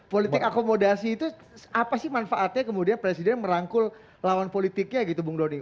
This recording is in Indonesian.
politik akomodasi itu apa sih manfaatnya kemudian presiden merangkul lawan politiknya gitu bung doni